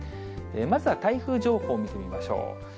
まずは台風情報を見てみましょう。